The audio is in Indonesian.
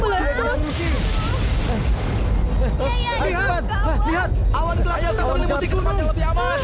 lihat awan gelap ini menyebabkan musim ke tempat yang lebih aman